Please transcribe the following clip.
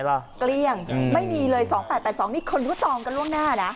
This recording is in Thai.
เกลี้ยงไม่มีเลย๒๘๘๒นี่คนเขาจองกันล่วงหน้านะ